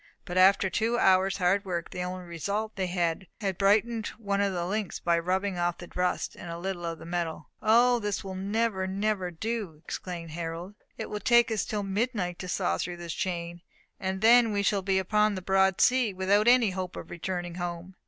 But after two hours' hard work, the only result was that they had brightened one of the links by rubbing off the rust and a little of the metal. "O, this will never, never do!" exclaimed Harold. "It will take us till midnight to saw through this chain, and then we shall be upon the broad sea, without any hope of returning home.